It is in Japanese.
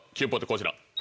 こちら。